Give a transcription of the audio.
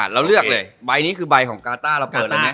เราเลือกเลยใบนี้คือใบของกาต้าเราเปิดเลยไหม